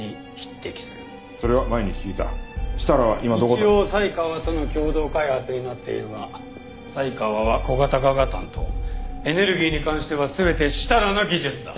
一応才川との共同開発になっているが才川は小型化が担当エネルギーに関しては全て設楽の技術だ。